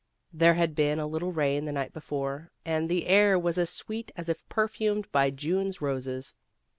There had been a little rain the night before, and the air was as sweet as if perfumed by June's roses.